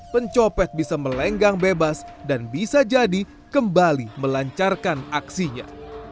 pencopet bisa melenggang bebas dan bisa jadi kembali melancarkan aksinya